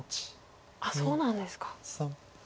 あっそうなんですか。